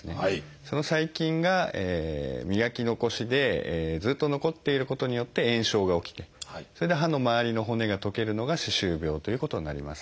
その細菌が磨き残しでずっと残っていることによって炎症が起きてそれで歯の周りの骨が溶けるのが歯周病ということになります。